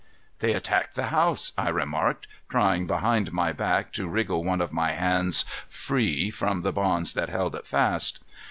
"They attacked the house," I remarked, trying behind my back to wriggle one of my hands free from the bonds that held it fast.